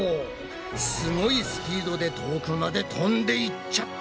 すごいスピードで遠くまで飛んでいっちゃった！